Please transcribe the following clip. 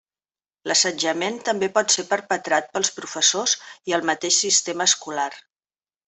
L'assetjament també pot ser perpetrat pels professors i el mateix sistema escolar.